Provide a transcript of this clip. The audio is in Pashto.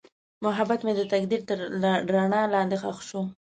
محبت مې د تقدیر تر رڼا لاندې ښخ شو.